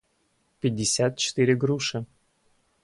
пятьдесят четыре груши